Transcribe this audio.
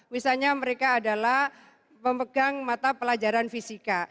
misalnya mereka adalah pemegang mata pelajaran fisika